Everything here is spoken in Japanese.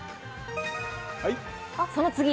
その次！